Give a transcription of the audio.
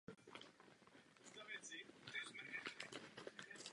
V tomto seznamu figurují i již zemřelí členové.